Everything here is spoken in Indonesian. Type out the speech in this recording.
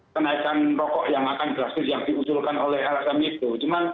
kenaikan rokok yang akan drastis yang diusulkan oleh lsm itu